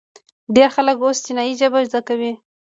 ډیر خلک اوس چینایي ژبه زده کوي.